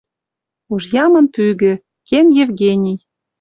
Уж ямын пӱгӹ. Кен Евгений.